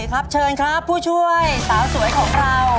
ครับเชิญครับผู้ช่วยสาวสวยของเรา